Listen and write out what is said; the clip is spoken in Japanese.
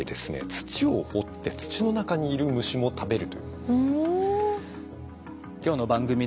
土を掘って土の中にいる虫も食べるという。